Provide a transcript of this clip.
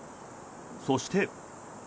そして。